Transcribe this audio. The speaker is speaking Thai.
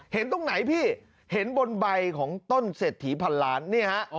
ตรงไหนพี่เห็นบนใบของต้นเศรษฐีพันล้านนี่ฮะ